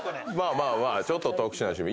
まあまあちょっと特殊な趣味。